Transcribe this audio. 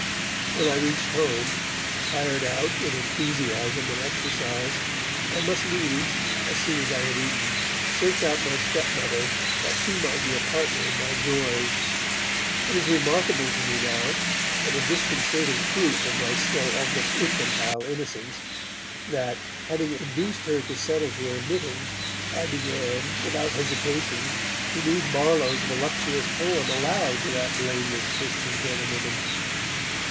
When I reached home, tired out with enthusiasm and exercise, I must needs, so soon as I had eaten, search out my stepmother that she might be a partner in my joys. It is remarkable to me now, and a disconcerting proof of my still almost infantile innocence, that, having induced her to settle to her knitting, I began, without hesitation, to read Marlowe's voluptuous poem aloud to that blameless Christian gentlewoman.